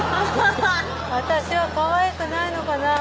「私はかわいくないのかな？」